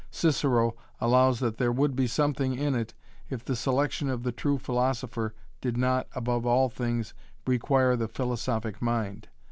Cicero allows that there would be something in it, if the selection of the true philosopher did not above all things require the philosophic mind.